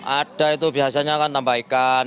ada itu biasanya kan tambah ikan